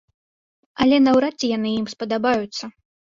Але наўрад ці яны ім спадабаюцца.